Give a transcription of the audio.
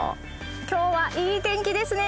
今日はいい天気ですね！